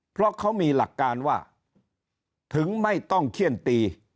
เพราะเขามีหลักการว่าถึงไม่ต้องเขี้ยนตี